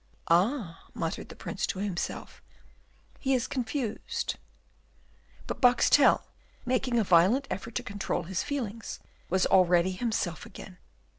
"Ah!" muttered the Prince to himself, "he is confused." But Boxtel, making a violent effort to control his feelings, was already himself again.